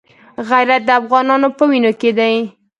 غیرت د افغانانو په وینو کې دی.